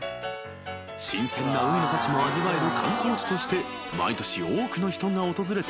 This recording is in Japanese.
［新鮮な海の幸も味わえる観光地として毎年多くの人が訪れていました］